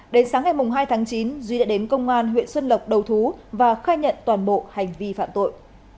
đến sáng ngày hai tháng chín duy đã đến công an huyện xuân lộc đầu thú và khai nhận toàn bộ hành vi phạm tội